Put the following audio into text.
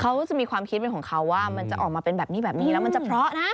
เขาจะมีความคิดเป็นของเขาว่ามันจะออกมาเป็นแบบนี้แบบนี้แล้วมันจะเพราะนะ